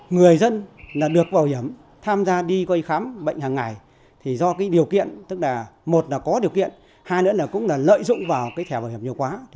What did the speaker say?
người dân được bảo hiểm tham gia đi khám bệnh hàng ngày thì do điều kiện tức là một là có điều kiện hai nữa là cũng lợi dụng vào thẻ bảo hiểm nhiều quá